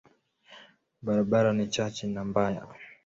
Barabara ni chache na mbaya.